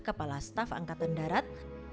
kepala staf angkatan darat